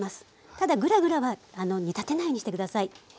ただぐらぐらは煮立てないようにして下さい。